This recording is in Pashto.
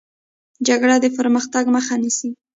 جګړه د پرمختګ مخه نیسي